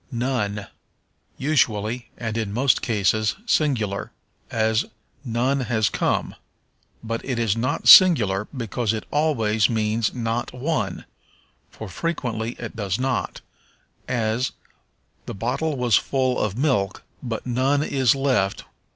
None. Usually, and in most cases, singular; as, None has come. But it is not singular because it always means not one, for frequently it does not, as, The bottle was full of milk, but none is left.